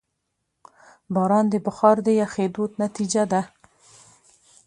باران د بخار د یخېدو نتیجه ده.